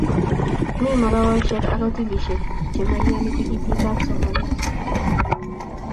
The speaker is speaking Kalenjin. mi makawesheck ak hotelisheck chemaiyani tikitit ab somanet